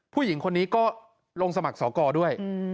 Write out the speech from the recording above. ผู้หญิงคนนี้ก็ลงสมัครสอกรด้วย